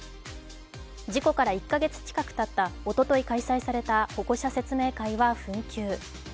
事故から１か月近くたったおととい開催された保護者説明会は紛糾。